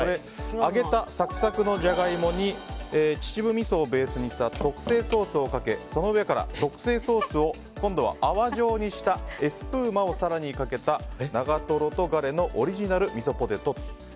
揚げたサクサクのジャガイモに秩父味噌をベースにした特製ソースをかけその上から特製ソースを今度は泡状にしたエスプーマを更にかけた長瀞とガレのオリジナルミソポテトです。